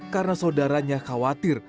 karena saudaranya khawatir